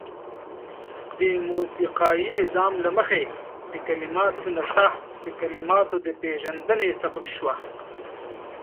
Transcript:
د موسيقايي نظام له مخې د کليماتو نڅاه د کليماتو د پيژندني سبب شوه.